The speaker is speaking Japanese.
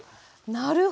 なるほど！